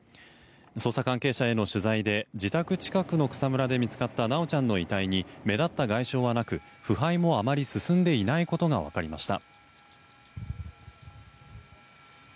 捜査関係者への取材で自宅近くの草むらで見つかった修ちゃんの遺体に目立った外傷はなく腐敗もあまり進んでいないことがわかりました。